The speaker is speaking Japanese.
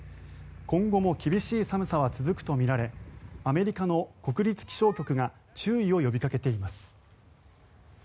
今後も厳しい寒さは続くとみられアメリカの国立気象局が注意を呼びかけています。